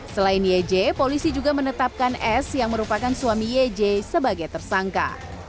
selain yj polisi juga menetapkan s yang merupakan suami yeje sebagai tersangka